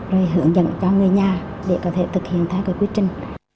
rồi hướng dẫn cho người nhà để có thể thực hiện theo cái quy trình